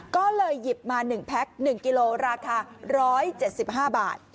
ก็เลยหยิบมา๑แพ็ค๑กิโลราคา๑๗๕บาท